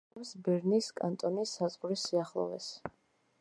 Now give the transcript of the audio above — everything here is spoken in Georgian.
მდებარეობს ბერნის კანტონის საზღვრის სიახლოვეს.